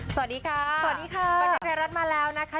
สวัสดีค่ะสวัสดีค่ะบรรทึงไทยรัฐมาแล้วนะคะ